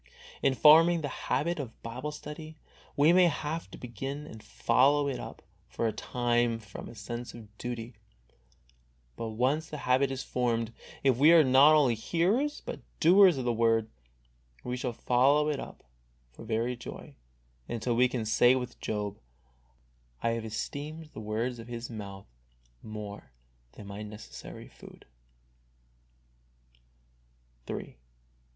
In forming the habit of Bible study we may have to begin and follow it up for a time from a sense of duty, but once the habit is formed, if we are not only hearers but doers of the Word, we shall follow it up for very joy, until we can say with Job, " I have esteemed the words of His mouth more than my necessary food."